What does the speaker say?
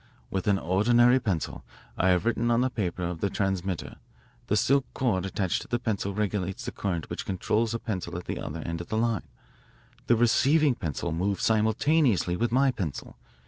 "With an ordinary pencil I have written on the paper of the transmitter. The silk cord attached to the pencil regulates the current which controls a pencil at the other end of the line. The receiving pencil moves simultaneously with my pencil.